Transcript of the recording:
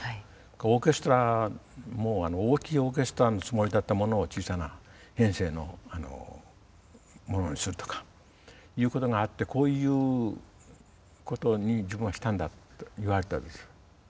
オーケストラも大きいオーケストラのつもりだったものを小さな編成のものにするとかいうことがあってこういうことに自分はしたんだと言われたわけですよ。